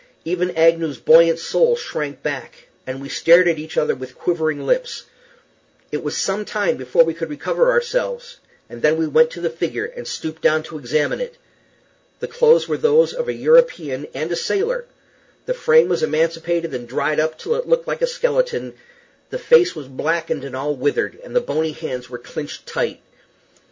Even Agnew's buoyant soul shrank back, and we stared at each other with quivering lips. It was some time before we could recover ourselves; then we went to the figure, and stooped down to examine it. The clothes were those of a European and a sailor; the frame was emaciated and dried up, till it looked like a skeleton; the face was blackened and all withered, and the bony hands were clinched tight.